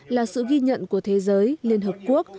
là sự ghi nhận của thế giới liên hợp quốc